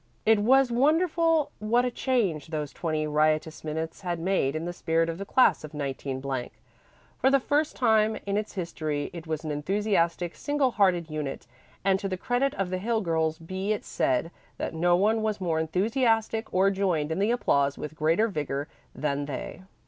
It was wonderful what a change those twenty riotous minutes had made in the spirit of the class of 19 . For the first time in its history it was an enthusiastic, single hearted unit, and to the credit of the Hill girls be it said that no one was more enthusiastic or joined in the applause with greater vigor than they.